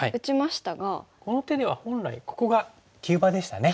この手では本来ここが急場でしたね。